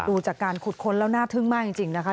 ดูจากการขุดค้นแล้วน่าทึ่งมากจริงนะคะ